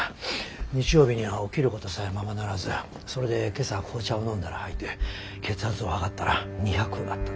日曜日には起きることさえままならずそれで今朝紅茶を飲んだら吐いて血圧を測ったら２００あったと。